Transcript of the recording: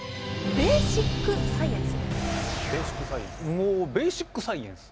「ベーシックサイエンス」。